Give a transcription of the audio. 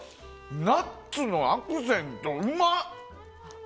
ナッツのアクセントうまっ！